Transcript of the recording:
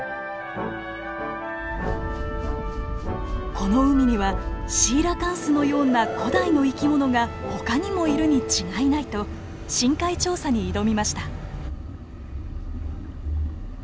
この海にはシーラカンスのような古代の生き物がほかにもいるに違いないと深海調査に挑みました。